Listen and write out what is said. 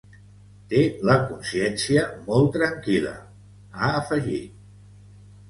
Té la consciència molt tranquil·la, ha afegit.